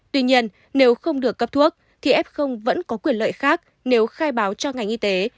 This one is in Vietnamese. tuy nhiên nếu không được cấp thuốc thì f vẫn có quyền lợi khác nếu khai báo cho ngành y tế